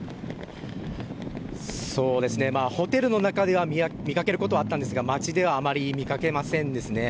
ホテルの中では見かけることはあったんですが街ではあまり見かけません。